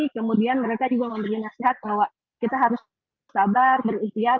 kemudian mereka juga memberi nasihat bahwa kita harus sabar berikhtiar